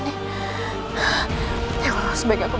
pendekat bercadar itu adalah pendekat berjaga jaga kita